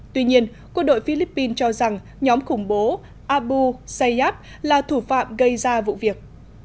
tuy nhiên quân đội philippines cho rằng nhóm khủng bố abu sayyab là thủ phạm gây ra vụ việc